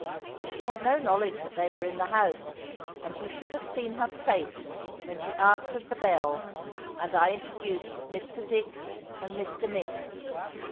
She had no knowledge that they were in the house; and you should have seen her face when she answered the bell and I introduced Mr. Dick and Mr. Mick.